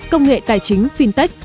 công nghệ tài chính fintech